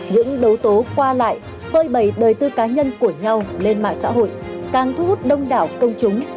những đấu tố qua lại phơi bầy đời tư cá nhân của nhau lên mạng xã hội càng thu hút đông đảo công chúng